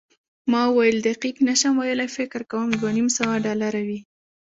ما وویل، دقیق نه شم ویلای، فکر کوم دوه نیم سوه ډالره وي.